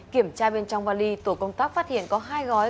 kiểm tra bên trong vali tổ công tác phát hiện có hai gói